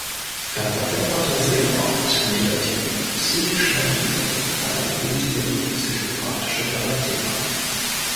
Er verkörperte sehr oft negative, psychisch labile, kaltblütige und psychopathische Charaktere.